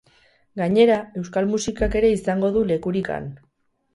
Gainera, euskal musikak ere izango du lekurik han.